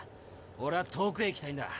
オレは遠くへ行きたいんだ。